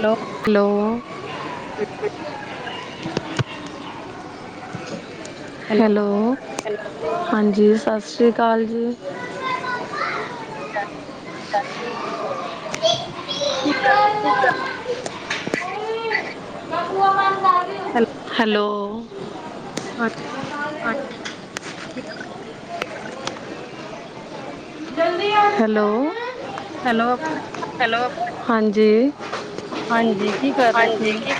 Hello. Hello. ਹੂੰ। Hello ਹਾਂਜੀ ਸਤਿ ਸ਼੍ਰੀ ਅਕਾਲ ਜੀ। ਕੀ ਕਰ। [unintelligible] ਸਤਿ ਸ੍ਰੀ ਅਕਾਲ। ਕੀ ਕਰ। ਹੈਲੋ। ਹਾਂਜੀ। ਹਾਂਜੀ। [unintelligible] ਹੈਲੋ। ਹੈਲੋ। ਹੈਲੋ, ਹਾਂਜੀ। ਹਾਂਜੀ, ਕੀ ਕਰ ਰਹੇ ਸੀ? [unintelligible]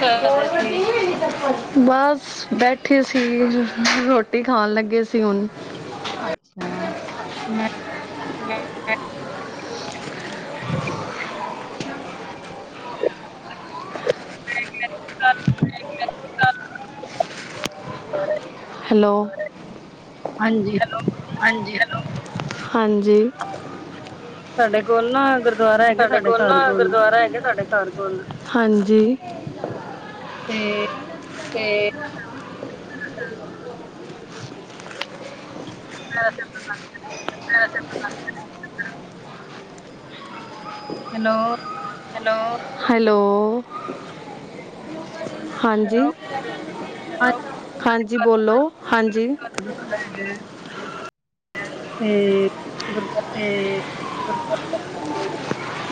ਬਸ ਬੈਠੇ ਸੀ, ਰੋਟੀ ਖਾਣ ਲੱਗੇ ਸੀ ਹੁਣ। ਅੱਛਾ, ਮੈਂ [unintelligible] [unintelligible] ਹੈਲੋ। ਹਾਂਜੀ, ਹੈਲੋ। ਹਾਂਜੀ ਹੈਲੋ, ਹਾਂਜੀ। ਸਾਡੇ ਕੋਲ ਨਾ, ਗੁਰ ਸਾਡੇ ਕੋਲ ਨਾ, ਗੁਰਦੁਆਰਾ ਹੈਗਾ, ਸਾਡੇ ਘਰ ਕੋਲ ਹਾਂਜੀ। ਤੇ ਤੇ [inaudible] [unintelligible] ਹੈਲੋ। Hello, hello. [unintelligible] ਹਾਂਜੀ, ਹੈਲੋ, ਹਾਂਜੀ ਬੋਲੋ, ਹਾਂਜੀ। [unintelligible] ਤੇ ਗੁਰਦੁਆਰੇ ਤੇ ਗੁਰਦੁਆਰੇ। [unintelligible]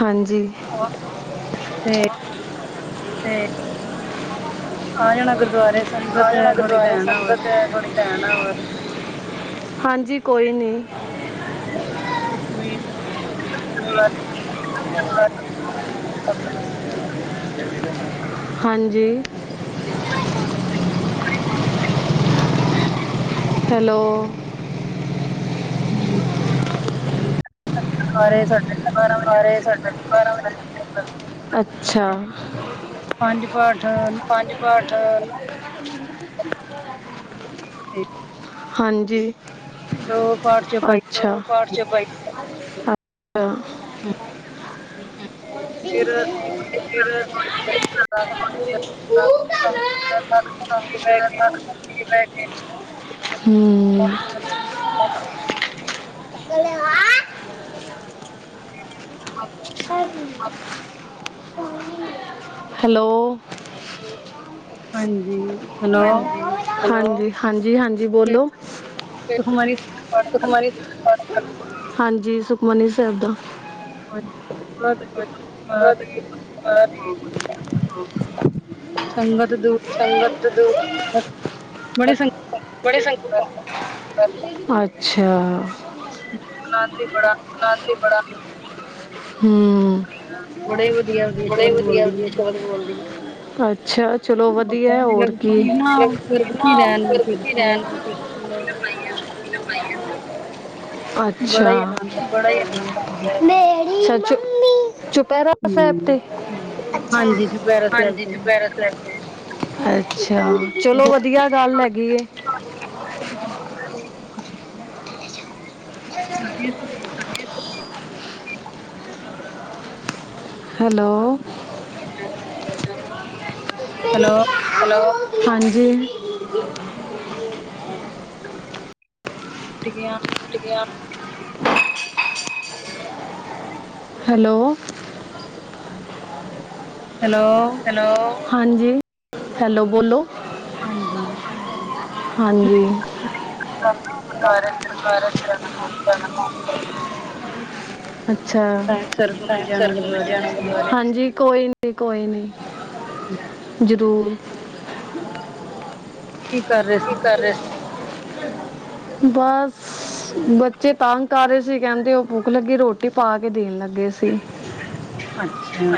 ਹਾਂਜੀ, ਤੇ ਆ ਜਾਣਾ, ਗੁਰਦੁਆਰੇ ਸ ਆ ਜਾਣਾ, ਗੁਰਦੁਆਰੇ ਸੰਗਤ ਹੈ ਬੜੀ। ਹਾਂਜੀ, ਕੋਈ ਨੀ। [unintelligible] ਹਾਂਜੀ। ਕਰੀ ਪਾਠ। ਹੈਲੋ। ਹੂੰ। ਘਰ ਏ ਸਾਡੇ। ਘਰ ਏ ਸਾਡੇ, ਬਾਰਾਂ ਵਜ਼ੇ ਕੀਰਤਨ। ਪੰਜ ਪਾਠ ਪਾਠ, ਹਾਂਜੀ। ਦੋ ਪਾਠ ਚੌਪਈ ਦੋ ਪਾਠ ਚੌਪਈ, ਅੱਛਾ। ਫਿਰ ਅਸੀਂ [unintelligible] [inaudible] ਹਮ [unintelligible] [inaudible] ਹੈਲੋ। ਹਾਂਜੀ, ਹੈਲੋ ਹਾਂਜੀ ਹਾਂਜੀ ਹਾਂਜੀ ਬੋਲੋ ਸੁਖਮਨੀ ਹਾਂਜੀ ਸੁਖਮਨੀ ਸਾਹਿਬ ਦਾ ਹਾਂ [unintelligible] ਸੰਗਤ ਸੰਗਤ ਦਾ [unintelligible] ਅੱਛਾ [unintelligible] ਵੀ ਬੜਾ [unintelligible] ਹੂੰ ਬੜੇ ਵਧੀਆ ਵੀ ਸ਼ਬਦ ਬੋਲਦੀ ਅੱਛਾ ਚਲੋ ਵਧੀਆ ਹੋਰ ਕੀ ਰਹਿ [unintelligible] ਅੱਛਾ ਬੜਾ [unintelligible] ਚੁਪੈਰਾ ਸਾਹਿਬ ਤੇ [unintelligible] ਹਾਂਜੀ ਅੱਛਾ ਚਲੋ ਵਧੀਆ ਗੱਲ ਹੈਗੀ ਏ [unintelligible] ਹੈਲੋ ਹੈਲੋ ਹਾਂਜੀ ਆ [unintelligible] ਹੈਲੋ ਹੈਲੋ ਹੈਲੋ ਹਾਂਜੀ ਹੈਲੋ ਬੋਲੋ ਹਾਂਜੀ ਹਾਂਜੀ [unintelligible] ਅੱਛਾ [unintelligible] ਹਾਂਜੀ ਕੋਈ ਨੀ ਕੋਈ ਨੀ ਜ਼ਰੂਰ ਕੀ ਕਰ ਰਹੇ ਸੀ ਬਸ ਬੱਚੇ ਤੰਗ ਕਰ ਰਹੇ ਸੀ ਕਹਿੰਦੇ ਉਹ ਭੁੱਖ ਲੱਗੀ ਰੋਟੀ ਪਾ ਕੇ ਦੇਣ ਲੱਗੇ ਸੀ ਅੱਛਾ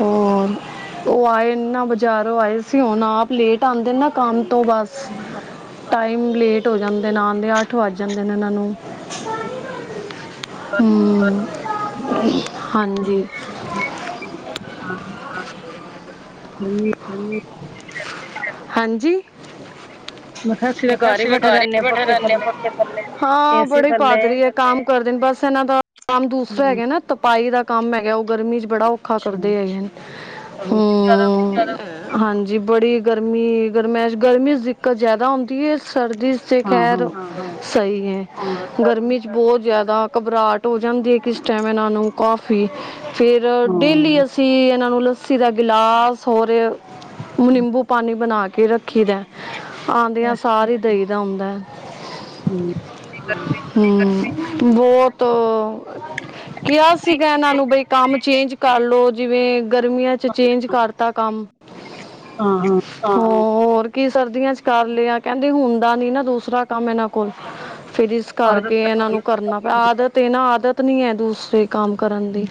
ਹੋਰ ਉਹ ਆਏ ਨਾ ਬਜ਼ਾਰੋਂ ਆਏ ਸੀ ਹੁਣ ਆਪ ਲੇਟ ਆਉਂਦੇ ਨਾ ਕੰਮ ਤੋਂ ਬਸ [unintelligible] ਲੇਟ ਹੋ ਜਾਂਦੇ ਨੇ ਆਦੇ ਅੱਠ ਵੱਜ ਜਾਂਦੇ ਨੇ ਇਹਨਾਂ ਨੂੰ ਹੂੰ [unintelligible] ਹਾਂਜੀ [unintelligible] [unintelligible] ਹਾਂਜੀ ਸਤਿ ਸ੍ਰੀ ਅਕਾਲ ਹਾਂ ਇਕ ਵੀਡੀਓ ਪੱਖੇ ਥੱਲੇ ਬੜੀ [unintelligible] ਕਾਮ ਕਰ ਬਸ ਇਹਨਾਂ ਦਾ। ਕੰਮ ਦੂਸਰਾ ਹੈਗਾ ਨਾ। ਤਪਾਈ ਦਾ ਕੰਮ ਹੈਗਾ ਉਹ ਗਰਮੀ ਚ ਬੜਾ ਔਖਾ ਕਰਦੇ ਹੈਗੇ ਹਮ, ਹਾਂਜੀ ਬੜੀ ਗਰਮੀ ਗਰਮਸ਼ ਗਰਮੀ ਚ ਦਿੱਕਤ ਜਿਆਦਾ ਹਉਂਦੀ ਹੈ ਸਰਦੀ। ਖੈਰ ਸਹੀ ਏ ਗਰਮੀ ਚ ਬਹੁਤ ਜਿਆਦਾ ਘਬਰਾਹਟ ਹੋ ਜਾਂਦੀ ਏ ਕਿਸ ਟਾਈਮ ਇਹਨਾਂ ਨੂੰ ਕਾਫੀ ਫਿਰ ਡੇਲੀ ਅਸੀਂ ਇਹਨਾਂ ਨੂੰ ਲੱਸੀ ਦਾ ਗਿਲਾਸ ਹੋਰ। ਨਿੰਬੂ ਪਾਣੀ ਬਣਾ ਕੇ ਰੱਖੀ ਦਾ ਆਉਂਦੀਆਂ। ਦਈ ਦਾ ਹੁੰਦਾ। ਹਮ ਹੁਣ ਬਹੁਤ ਕਿਹਾ ਸੀਗਾ ਇਹਨਾਂ ਨੂੰ ਬਈ ਕੰਮ ਚੇਂਜ ਕਰਲੋ ਜਿਵੇਂ ਗਰਮੀਆਂ ਚ ਚੇਂਜ ਕਰਤਾ ਕੰਮ ਆਹੋ ਹੋਰ ਕੀ ਸਰਦੀਆਂ ਚ ਕਰ ਲਿਆ ਕਹਿੰਦੀ ਹੁੰਦਾ ਨੀ ਨਾ ਦੂਸਰਾ ਕੰਮ ਇਹਨਾਂ ਕੋਲ ਫਿਰ ਇਸ ਕਰਕੇ ਇਹਨਾਂ ਨੂੰ ਕਰਨਾ ਪਿਆ ਆਦਤ, ਤੇ ਨਾ ਆਦਤ ਨੀ ਹੈ ਦੂਸਰੇ, ਕੰਮ ਕਰਨ ਦੀ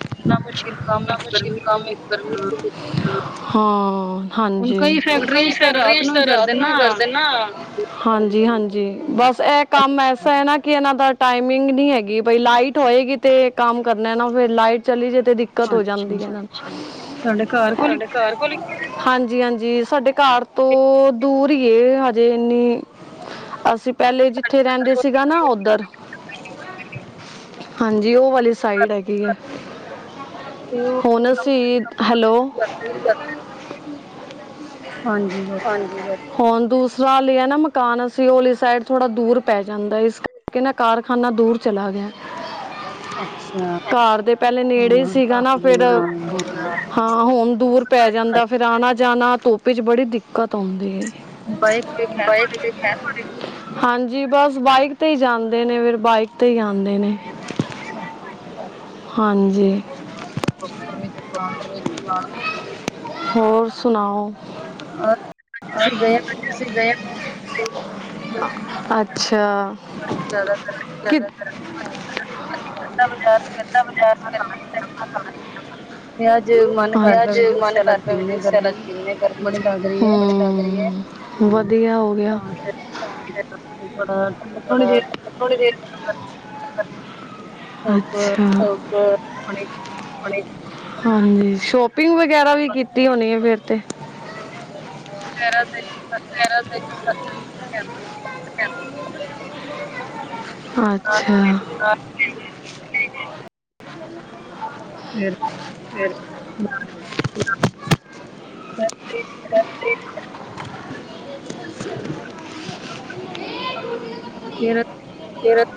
ਮੁਸ਼ਕਿਲ ਕੰਮ ਕਰ, ਹਾਂ ਹਾਂਜੀ ਹੁਣ ਕਈ ਫੈਕਟਰੀਆਂ ਚ ਤਾਂ ਰਾਤ ਨੂੰ ਹੀ ਕਰਦੇ ਨਾ। ਹਾਂਜੀ ਹਾਂਜੀ ਬਸ ਇਹ ਕੰਮ ਐਸਾ ਹੈ ਨਾ ਕਿ ਇਹਨਾਂ ਦਾ ਟਾਈਮਿੰਗ ਨਹੀਂ ਹੈਗੀ ਬਈ ਲਾਈਟ ਹੋਏਗੀ ਤੇ ਕੰਮ ਕਰਨਾ ਨਾ ਫਿਰ ਲਾਈਟ ਚਲੀ ਜੇ ਤੇ ਦਿੱਕਤ ਹੋ ਜਾਂਦੀ ਹੈ ਇਹਨਾਂ ਨੂੰ ਹਾਂਜੀ ਹਾਂਜੀ ਸਾਡੇ ਘਰ ਤੋਂ ਦੂਰ ਹੀ ਹਜੇ ਇਨੀ ਅਸੀਂ ਪਹਿਲੇ ਜਿਥੇ ਰਹਿੰਦੇ ਸੀ ਉਓਧਰ ਹਾਂਜੀ ਉਹ ਵਾਲੀ ਸਾਈਡ ਹੈਗੀ ਆ ਹੁਣ ਅਸੀਂ ਹੈਲੋ ਹਾਂਜੀ ਬ ਹਾਂ ਹ [unintelligible] ਸਾਲੀ ਹੈ ਨਾ ਮਕਾਨ ਅਸੀਂ ਉਹਲੀ ਸਾਈਡ ਥੋੜ੍ਹਾ ਦੂਰ ਪੈ ਜਾਂਦਾ ਇਸ ਕਰਕੇ ਨਾ ਕਾਰਖਾਨਾ ਦੂਰ ਚਲਾ ਗਿਆ ਅੱਛਾ ਘਰ ਦੇ ਪਹਿਲੇ ਨੇੜੇ ਸੀਗਾ ਨਾ ਫੇਿਰ ਹਾਂ ਹੋਣ ਦੂਰ ਪੈ ਜਾਂਦਾ ਫੇਿਰ ਆਣਾ ਜਾਣਾ ਤੋਪੀ ਚ ਬੜੀ ਦਿੱਕਤ ਆਉਂਦੀ ਬਾਈ ਹਾਂਜੀ ਬਸ ਬਾਈਕ ਤੇ ਹੀ ਜਾਂਦੇ ਨੇ ਫਿਰ ਬਾਈਕ ਤੇ ਹੀ ਆਦੇ ਨੇ ਹਾਂਜੀ ਹੋਰ ਸੁਣਾਓ ਸੀੇ ਗਏ ਅੱਛਾ ਕਿ ਸ ਸ [unintelligible] ਪਿਆਅਜ ਮੰ ਨ ਕਰਦਾ ਆਪ ਜੂਸ ਅਜ ਅਲੱਗ ਪੀਂਦੇ ਹ ਗਰਮੀ ਬੜੀ ਲੱਗ [unintelligible] ਹਮ ਵਧੀਆ ਹੋ ਗਿਆ ਥੋੜੀ ਦੇਰ ਅੱਛਾ ਹਾਂਜੀ ਸ਼ੋਪਿੰਗ ਵਗੈਰਾ ਵੀ ਕੀਤੀ ਹੋਣੀ ਹੈ ਫੇਿਰ ਤੇ ਰੈ ਰਾ ਤੇ ਰੈ ਰਾ ਦੇ ਅੱਛਾ ਫੇਰ। [unintelligible] ਬਸ ਠੀਕ [inaudible] [unintelligible] ਕਿਰਤ।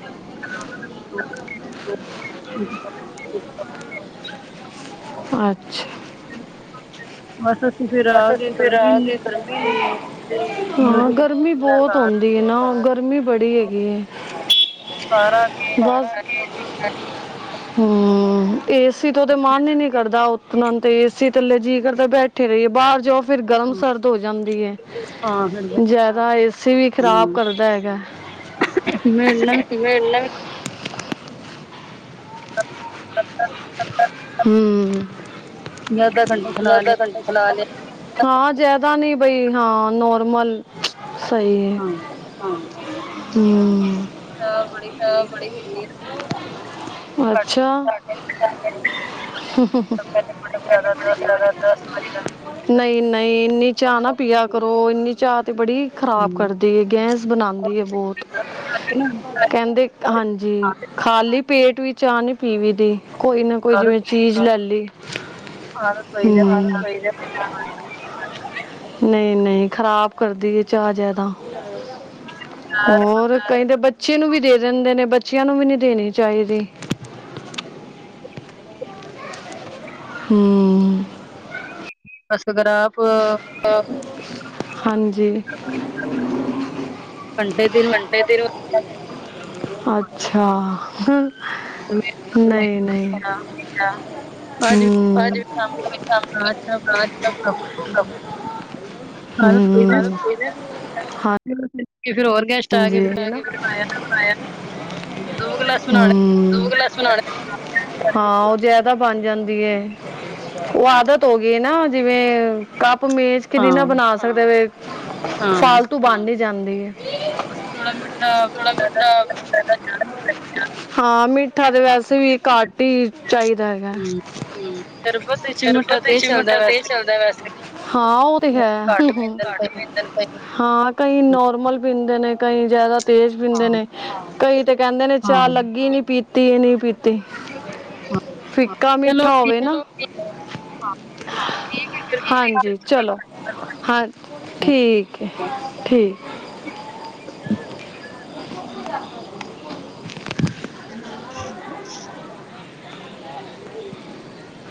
ਅੱਛ ਅਛ ਬਸ ਅਸੀ ਰਾਹ ਦੇਖ ਰਹੇ ਹੈ ਹਾਂ ਗਰਮੀ ਬਹੁਤ ਆਉਂਦੀ ਨਾ ਗਰਮੀ ਬੜੀ ਹੈਗੀ ਹੈ। ਸਾਰਾ ਕੇ। [unintelligible] [unintelligible] ਹਮ ਏਸੀ ਤੋਂ ਤੇ ਮਨ ਹੀ ਨੀ ਕਰਦਾ ਉੱਠਣ ਤੇ ਏਸੀ ਥੱਲੇ ਜੀਅ ਕਰ ਬੈਠੇ। ਬੈਠੇ ਰਹੀਏ ਬਾਹਰ ਜਾਓ ਫਿਰ ਗਰਮ ਸਰਦ ਹੋ ਜਾਂਦੀ ਹੈ। ਜਿਆਦਾ ਏਸੀ ਵੀ ਖ਼ਰਾਬ ਕਰਦਾ ਹੈਗਾ। [unintelligible] [unintelligible] [unintelligible] ਚਲਾ ਲਿਆ ਹਾ ਜਾਦਾ ਨੀ ਬਈ ਹਾ ਨੋਰਮਲ ਸਹੀ ਹੈ ਹਮ। ਅੱਛਾ। [unintelligible] ਨਈ-ਨਈ ਇੰਨੀ ਚਾ ਨਾ ਪਿਆ ਕਰੋ ਇੰਨੀ ਚਾ ਤੇ ਬੜੀ ਖ਼ਰਾਬ ਕਰਦੀ ਹੈ ਗੈਸ ਬਣਦੀ ਹੈ ਬਹੁਤ ਕਹਿੰਦੇ ਹਾਂਜੀ ਖਾਲੀ ਪੇਟ ਵੀ ਚਾਹ ਨੀ ਪੀਵੀ ਦੀ ਕੋਈ ਨਾ ਕੋਈ ਜਿਵੇਂ ਚੀਜ਼ ਲੱਲੀ ਹਮ। ਨਈ-ਨਈ ਖਰਾਬ ਕਰਦੀ ਹੈ ਚਾਹ ਜਿਆਦਾ। ਹੋਰ ਕਈਦੇ ਬੱਚੇ ਨੂੰ ਵੀ ਦੇ ਦਿੰਦੇ ਨੇ ਬੱਚਿਆਂ ਨੂੰ ਵੀ ਨੀ ਦੇਣੀ ਚਾਹੀਦੀ। [inaudible] ਹਮ। ਬਸ ਅਗਰ ਆਪ ਹਾਂਜੀ। ਘੰਟੇ ਦਿਨ ਅੱਛਾ ਨਹੀਂ-ਨਹੀਂ। ਹ। [inaudible] [unintelligible] ਹਾਂ ਉਹ ਜਿਆਦਾ ਬਣ ਜਾਂਦੀ ਹੈ। ਉਹ ਆਦਤ ਹੋ ਗਈ ਨਾ ਜਿਵੇਂ ਕੱਪ ਮੇਚ ਕਿਨੀ ਨਾ ਬਣਾ ਸਕਦੇ ਵੇ ਫਾਲਤੂ ਬਣ ਹੀ ਜਾਂਦੀ ਹੈ। ਬੱਸ ਥੋੜ੍ਹਾ ਮਿੱਠਾ [unintelligible] ਹਾਂ ਮਿੱਠਾ ਤੇ ਵੈਸੇ ਵੀ ਘੱਟ ਟੀ ਚਾਹੀਦਾ ਹੈਗਾ ਹਮ। ਸ਼ਰਬਤ ਚ ਮਿੱਠਾ ਤੇਜ਼ ਚੱਲਦਾ ਵੈਸੇ ਹਾਂ ਉਹ ਤੇ ਹੈ ਘੱਟ ਪੀਂਦੇ ਨੇ। ਹਾਂ ਕਈ ਨੋਰਮਲ ਪੀਂਦੇ ਨੇ ਕਈ ਜਾਦਾ। ਤੇਜ ਪੀਂਦੇ ਨੇ ਕਈ ਤੇ ਕਹਿੰਦੇ ਨੇ ਚਾਹ ਲੱਗੀ ਨੀ ਪੀਤੀ ਨਹੀਂ ਪੀਤੀ। ਫਿੱਕਾ ਮਿੱਠਾ ਹੋਵੇ ਨਾ, ਹਾਂਜੀ। ਚਲੋ ਹਾਂ ਠੀਕ ਹੈ ਠੀਕ। [inaudible] [inaudible]